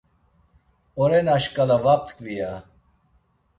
Orena şǩala va ptkvi ya.